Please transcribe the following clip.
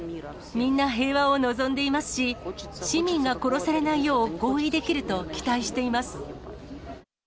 みんな平和を望んでいますし、市民が殺されないよう合意できると期待しています。